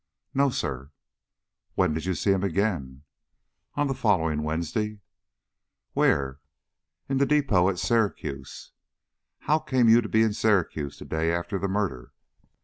"No, sir." "When did you see him again?" "On the following Wednesday." "Where?" "In the depôt at Syracuse." "How came you to be in Syracuse the day after the murder?"